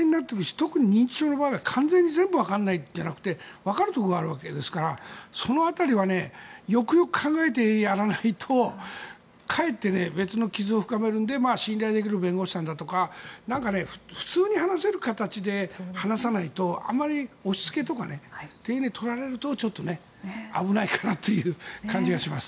特に、認知症の場合は完全に全部わからないんじゃなくてわかるところがあるわけですからその辺りはよくよく考えてやらないとかえって別の傷を深めるので信頼できる弁護士さんだとかなんか普通に話せる形で話さないと、あまり押しつけとかって取られるとちょっと危ないかなという感じがします。